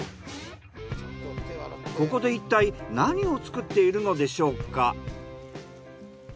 ここでいったい何をつくっているのでしょうか？